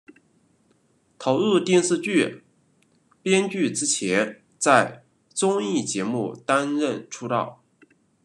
投入电视剧编剧之前在综艺节目担任出道。